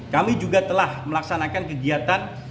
kami juga telah melaksanakan kegiatan